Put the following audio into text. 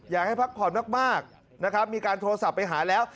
อยากให้พักผ่อนมากนะครับมีการโทรศัพท์ไปหาแล้ว